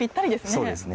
そうですね。